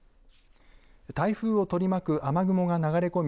台風を取り巻く雨雲が流れ込み